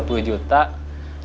sudah dipegang serentaknya